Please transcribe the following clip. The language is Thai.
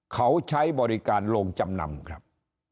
เขาใช้บริการโรงจำนำครับ